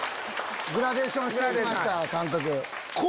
グラデーションしていきました監督。